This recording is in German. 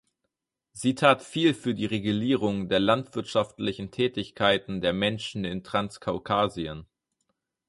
Sie tat viel für die Regulierung der landwirtschaftlichen Tätigkeiten der Menschen in Transkaukasien.